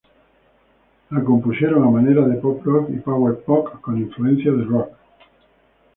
La compusieron a manera de "Pop rock" y "power pop", con influencias de rock.